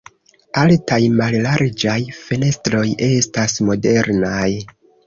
Altaj mallarĝaj fenestroj estas modernaj.